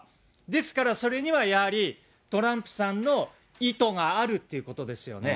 ですから、それにはやはり、トランプさんの意図があるということですよね。